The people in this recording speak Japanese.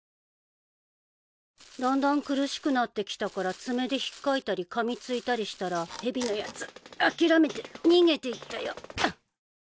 だんだん苦しくなってきたから爪で引っかいたりかみついたりしたらヘビのやつ諦めて逃げていったよ。